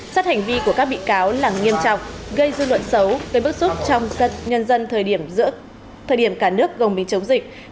sát hành vi của các bị cáo là nghiêm trọng gây dư luận xấu gây bức xúc trong các nhân dân thời điểm cả nước gồng bình chống dịch